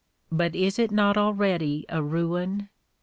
But is it not already a ruin